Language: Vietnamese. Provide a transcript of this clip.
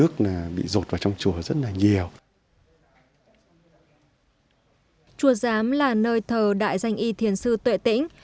chùa giám là nơi thờ đại danh y thiền sư tuệ tĩnh